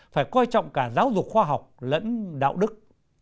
phải coi trọng cả giáo dục khoa học lẫn đạo đức